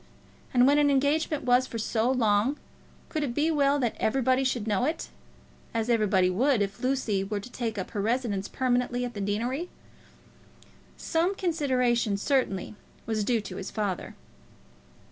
And when an engagement was for so long, could it be well that everybody should know it, as everybody would if Lucy were to take up her residence permanently at the deanery? Some consideration, certainly, was due to his father.